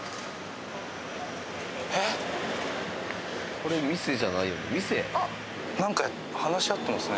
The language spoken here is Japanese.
これ店じゃないよね？